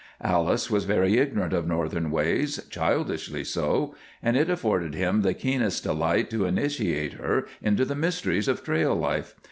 Alice was very ignorant of northern ways, childishly so, and it afforded him the keenest delight to initiate her into the mysteries of trail life.